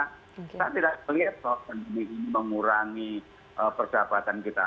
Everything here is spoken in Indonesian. kita tidak melihat pandemi ini mengurangi perdapatan kita